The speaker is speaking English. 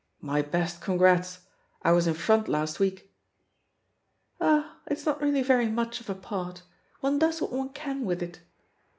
"My best congratst I was in front last week." "Ah, it's not really very much of a part — one does what one can with it!"